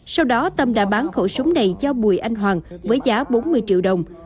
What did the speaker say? sau đó tâm đã bán khẩu súng này cho bùi anh hoàng với giá bốn mươi triệu đồng